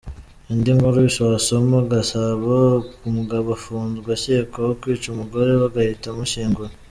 Indi nkuru wasoma: Gasabo:Umugabo afunzwe akekwaho kwica umugore we agahita amushyingura.